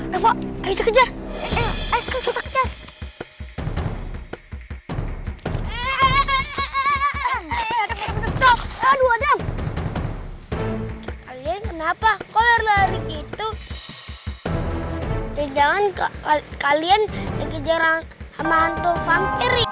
dia mau nge sep darah ayam